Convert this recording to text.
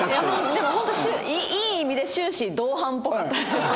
でもホントいい意味で終始同伴っぽかったです。